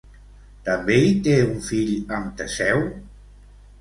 També hi té un fill amb Teseu?